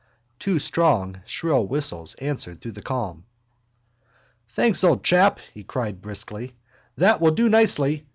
Two strong shrill whistles answered through the calm. —Thanks, old chap, he cried briskly. That will do nicely.